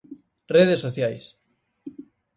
Redes sociais.